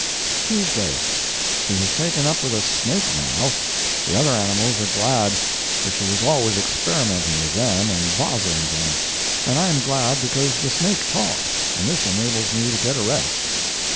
TUESDAY. She has taken up with a snake now. The other animals are glad, for she was always experimenting with them and bothering them; and I am glad because the snake talks, and this enables me to get a rest.